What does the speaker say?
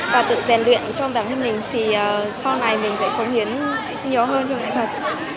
và tự rèn luyện cho bản thân mình thì sau này mình sẽ cống hiến nhiều hơn trong nghệ thuật